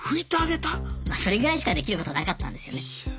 それぐらいしかできることなかったんですよね。